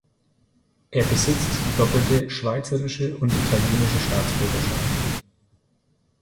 Er besitzt die doppelte schweizerische und italienische Staatsbürgerschaft.